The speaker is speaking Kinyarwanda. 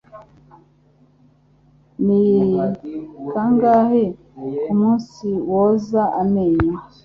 Ni kangahe kumunsi woza amenyo?